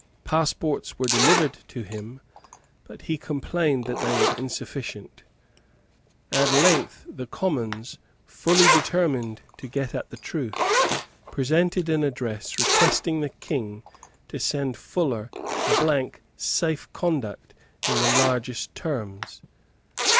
Passports were delivered to him; but he complained that they were insufficient. At length the Commons, fully determined to get at the truth, presented an address requesting the King to send Fuller a blank safe conduct in the largest terms.